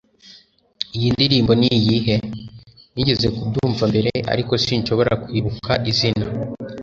iyi ndirimbo niyihe? nigeze kubyumva mbere, ariko sinshobora kwibuka izina